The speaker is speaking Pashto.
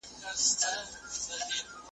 تصور کولای سوای ,